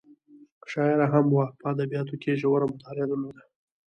شاعره هم وه په ادبیاتو کې یې ژوره مطالعه درلوده.